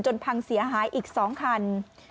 พังเสียหายอีก๒คัน